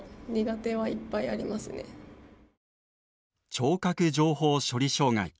聴覚情報処理障害。